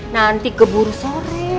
nanti keburu sore